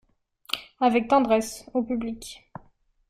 Avec tendresse, au public.